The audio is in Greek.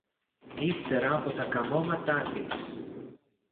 ύστερα από τα καμώματα της!